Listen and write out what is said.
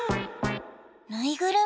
ぬいぐるみ？